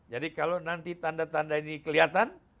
jadi kalau nanti tanda tanda ini kelihatan